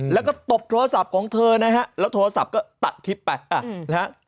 แล้วก็ตบโทรศัพท์ของเธอนะฮะแล้วโทรศัพท์ก็ตัดคลิปไปนะฮะ